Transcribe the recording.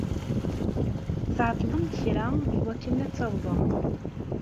Tɛeṭṭlem kra i wakken ad d-tawḍem.